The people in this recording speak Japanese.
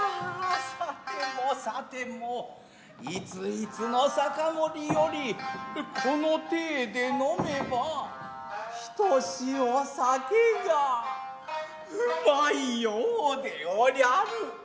さてもさてもいついつの酒盛よりこの体で呑めばひとしお酒が旨いようでおりゃる。